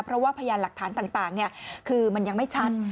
เพราะว่าพยานหลักฐานต่างคือมันยังไม่ชัด